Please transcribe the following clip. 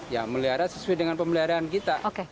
ya melihara sesuai dengan pemeliharaan kita